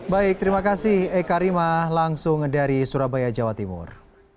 baik terima kasih eka rima langsung dari surabaya jawa timur